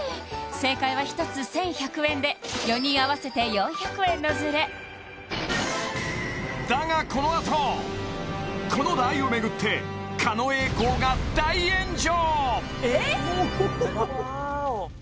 正解は１つ１１００円で４人合わせて４００円のズレだがこのあとこのラー油をめぐって狩野英孝が大炎上！